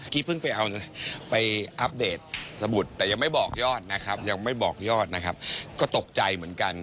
เพิ่งไปเอาเลยไปอัปเดตสมุดแต่ยังไม่บอกยอดนะครับยังไม่บอกยอดนะครับก็ตกใจเหมือนกัน